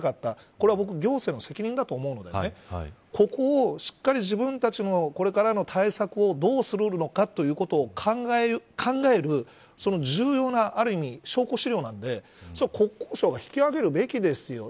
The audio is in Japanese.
これは行政の責任だと思うのでここをしっかり自分たちのこれからの対策をどうするのかということを考える重要なある意味、証拠資料なので国交省が引き揚げるべきですよ。